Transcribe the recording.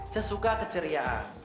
saya suka keceriaan